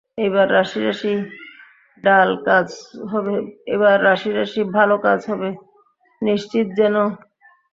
এইবার রাশি রাশি ভাল কাজ হবে, নিশ্চিত জেনো।